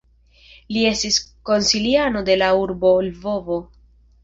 Li estis konsiliano de la urbo Lvovo.